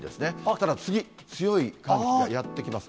ただ次、強い寒気がやって来ます。